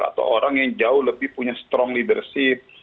atau orang yang jauh lebih punya strong leadership